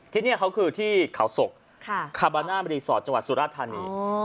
ที่นี่เขาคือที่เขาศกคาบาน่ารีสอร์ทจังหวัดสุราธานี